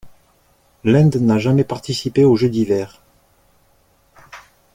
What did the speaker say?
L'Inde n'a jamais participé aux Jeux d'hiver.